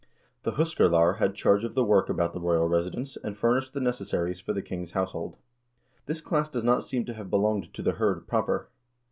The huskarlar had charge of the work about the royal residence, and furnished the necessaries for the king's house hold. This class does not seem to have belonged to the hird proper.